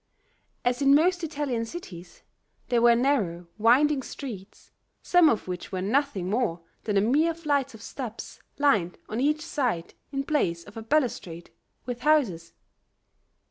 As in most Italian cities, there were narrow, winding streets, some of which were nothing more than mere flights of steps lined on each side, in place of a balustrade, with houses.